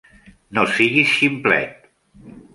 No siguis ximplet!